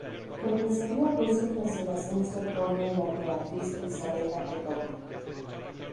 Regresaría a Rusia tras el ascenso al trono de la emperatriz Elizaveta Petrovna.